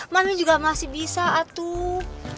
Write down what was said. mandi juga masih bisa atuh